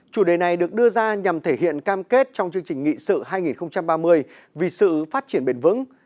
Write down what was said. chủ đề này được đưa ra nhằm thể hiện cam kết trong chương trình nghị sự hai nghìn ba mươi vì sự phát triển bền vững